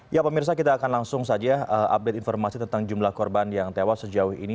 ya pemirsa kita akan langsung saja update informasi tentang jumlah korban yang tewas sejauh ini